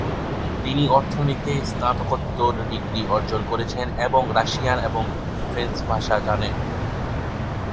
তিনি অর্থনীতিতে স্নাতকোত্তর ডিগ্রি অর্জন করেছেন এবং রাশিয়ান ও ফ্রেঞ্চ ভাষা জানেন।